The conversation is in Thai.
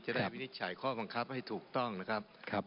วินิจฉัยข้อบังคับให้ถูกต้องนะครับ